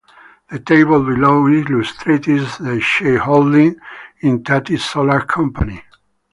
The table below illustrates the shareholding in Tati Solar Company.